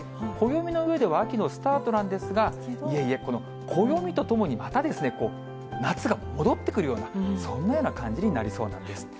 暦の上では秋のスタートなんですが、いえいえ、この暦とともに、またですね、夏が戻ってくるような、そんなような感じになりそうなんです。